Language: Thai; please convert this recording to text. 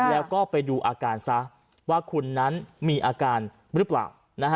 แล้วก็ไปดูอาการซะว่าคุณนั้นมีอาการหรือเปล่า